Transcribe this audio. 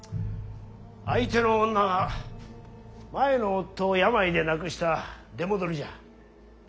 相手の女は前の夫を病で亡くした出戻りじゃ。